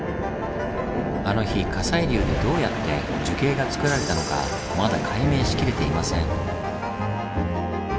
あの日火砕流でどうやって樹型がつくられたのかまだ解明しきれていません。